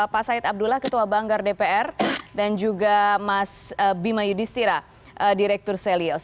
pak said abdullah ketua banggar dpr dan juga mas bima yudhistira direktur selyos